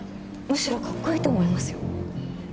むしろかっこいいと思いますよ。